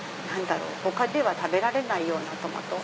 他では食べられないようなトマト。